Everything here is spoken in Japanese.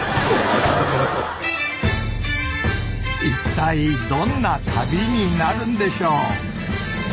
一体どんな旅になるんでしょう。